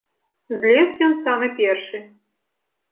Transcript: Злез ён самы першы.